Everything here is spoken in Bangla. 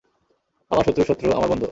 আমার শত্রুর শত্রু আমার বন্ধু।